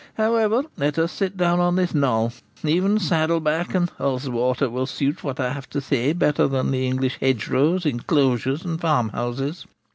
However, let us sit down on this knoll; even Saddleback and Ulswater will suit what I have to say better than the English hedgerows, enclosures, and farmhouses.